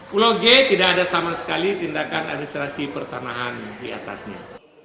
pulau g tidak ada sama sekali tindakan administrasi pertanahan diatasnya